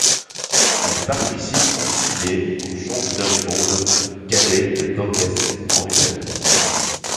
Elle participe en juillet aux championnats du monde cadets de Donetsk en Ukraine.